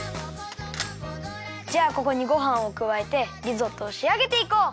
じゃあここにごはんをくわえてリゾットをしあげていこう！